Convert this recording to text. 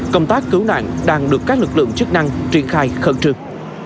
công tác cứu nạn đang được các lực lượng chức năng triển khai khẩn trương